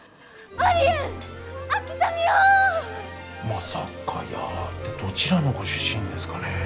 「まさかやー」ってどちらのご出身ですかね。